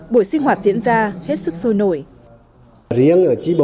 buổi sinh hoạt diễn ra hết sức sôi nổi